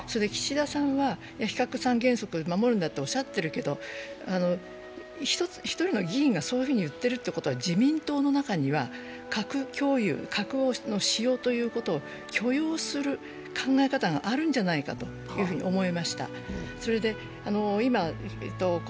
岸田さんは非核三原則を守るんだとおっしゃっているけど一人の議員がそういうふうに言っているということは、自民党の中には核共有、核の使用を許容する考え方があるんじゃないかというふうに思いました。